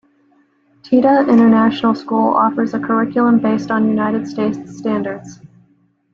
Teda International School offers a curriculum based on United States standards.